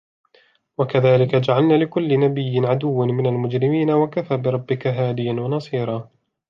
وَكَذَلِكَ جَعَلْنَا لِكُلِّ نَبِيٍّ عَدُوًّا مِنَ الْمُجْرِمِينَ وَكَفَى بِرَبِّكَ هَادِيًا وَنَصِيرًا